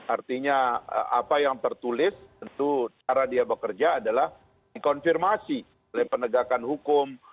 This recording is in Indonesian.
artinya apa yang tertulis tentu cara dia bekerja adalah dikonfirmasi oleh penegakan hukum